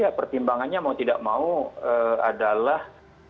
ya pertimbangannya mau tidak mau adalah